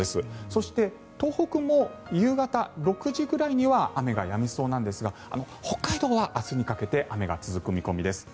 そして、東北も夕方６時ぐらいには雨がやみそうなんですが北海道は明日にかけて雨が続く見込みです。